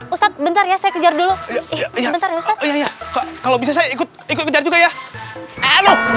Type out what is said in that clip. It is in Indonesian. ustadz bentar ya saya kejar dulu iya kalau bisa saya ikut ikut kejar juga ya aduh kenapa pisang